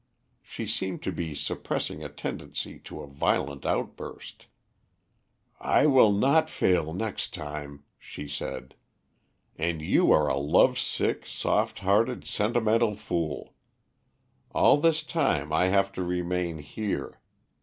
She seemed to be suppressing a tendency to a violent outburst. "I will not fail next time," she said. "And you are a love sick, soft hearted, sentimental fool. All this time I have to remain here.